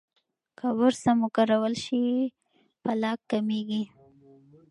که برس سم وکارول شي، پلاک کمېږي.